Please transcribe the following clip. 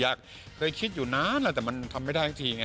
เคยคิดอยู่นานแล้วแต่มันทำไม่ได้ทั้งทีไง